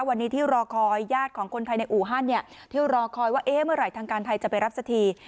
วันนี้ที่รอคอยญาติของคนไทยในอู่ฮันเนี่ยที่รอคอยว่าเอ๊ะเมื่อไหร่ทางการไทยจะไปรับสักที